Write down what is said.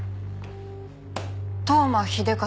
当麻秀和。